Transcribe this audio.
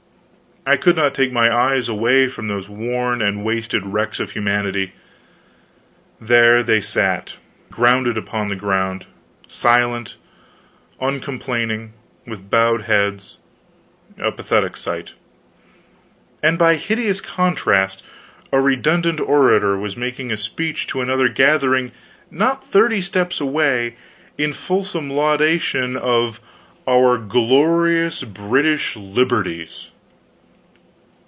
I could not take my eyes away from these worn and wasted wrecks of humanity. There they sat, grounded upon the ground, silent, uncomplaining, with bowed heads, a pathetic sight. And by hideous contrast, a redundant orator was making a speech to another gathering not thirty steps away, in fulsome laudation of "our glorious British liberties!"